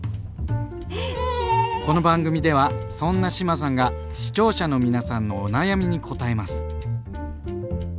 この番組ではそんな志麻さんが視聴者の皆さんのお悩みにこたえます。